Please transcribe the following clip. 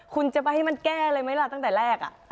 คุณจะไปให้มันแก้เลยไหมล่ะตั้งแต่แรก